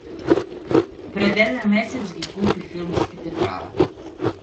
Пред еден месец ги купи филмските права